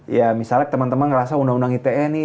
ya misalnya teman teman ngerasa undang undang ite nih